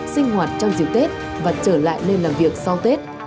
sinh hoạt trong dịp tết và trở lại nơi làm việc sau tết